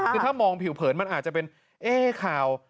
คือถ้ามองผิวเผินมันอาจจะเป็นเอ๊ะข่าว